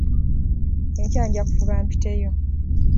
Enkya nja kufuba mpiteyo.